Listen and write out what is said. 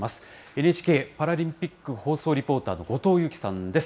ＮＨＫパラリンピック放送リポーターの後藤佑季さんです。